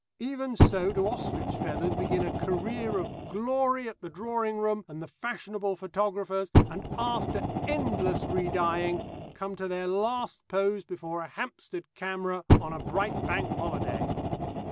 Even so do ostrich feathers begin a career of glory at the Drawing Room and the fashionable photographer's, and, after endless re dyeing, come to their last pose before a Hampstead camera on a bright Bank Holiday.